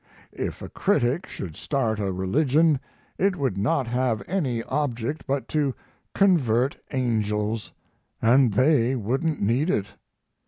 If a critic should start a religion it would not have any object but to convert angels, and they wouldn't need it.